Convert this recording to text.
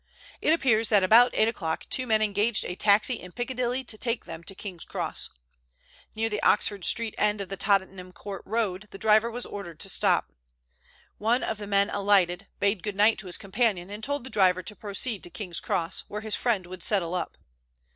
It appears that about eight o'clock two men engaged a taxi in Piccadilly to take them to King's Cross. Near the Oxford Street end of Tottenham Court Road the driver was ordered to stop. One of the men alighted, bade good night to his companion, and told the driver to proceed to King's Cross, where his friend would settle up.